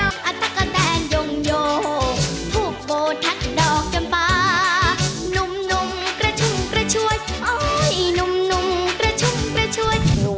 โอ๊ยนุ่มกระชุ่มกระช่วย